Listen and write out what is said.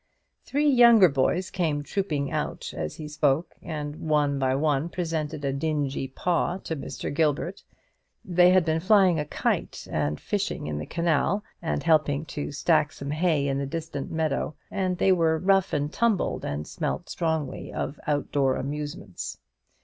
Three younger boys came trooping out as he spoke, and one by one presented a dingy paw to Mr. Gilbert. They had been flying a kite, and fishing in the canal, and helping to stack some hay in the distant meadow; and they were rough and tumbled, and smelt strongly of out door amusements.